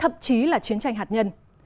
thậm chí là chiến tranh hạt nhân